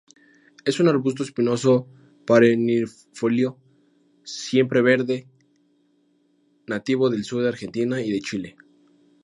Es un arbusto espinoso perennifolio, siempreverde nativo del sur de Argentina y de Chile.